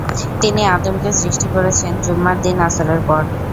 তিনি আদমকে সৃষ্টি করেছেন জুমআর দিন আসরের পর।